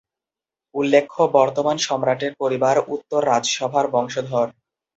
উল্লেখ্য, বর্তমান সম্রাটের পরিবার উত্তর রাজসভার বংশধর।